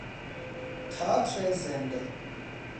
تئاتر زنده